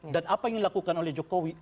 dan apa yang dilakukan oleh jokowi